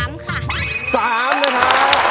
๓นะคะ